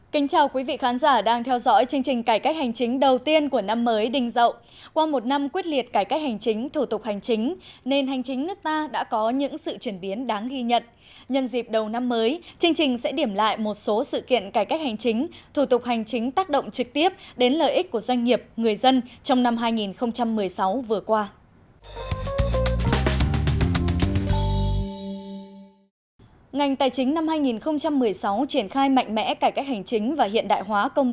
xin chào quý vị khán giả đang theo dõi chương trình cải cách hành chính đầu tiên của năm mới đinh dậu